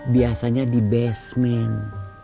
biasanya di basement